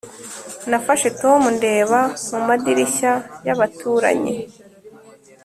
nafashe tom ndeba mu madirishya y'abaturanyi.